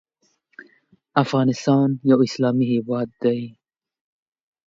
افغانستان یو اسلامې هیواد ده